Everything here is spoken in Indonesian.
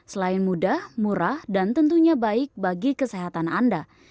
selain mudah murah dan tentunya baik bagi kesehatan anda